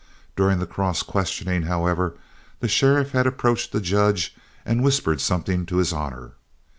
During the cross questioning, however, the sheriff had approached the judge and whispered something to his honor.